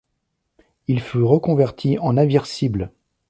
Il fut reconverti en navire-cible.